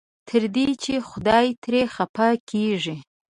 تر دې چې خدای ترې خفه کېږي.